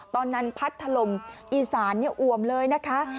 ว่านานพพทรอิสานอ่วมเลยนะคะ